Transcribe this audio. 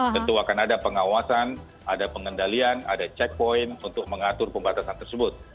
tentu akan ada pengawasan ada pengendalian ada checkpoint untuk mengatur pembatasan tersebut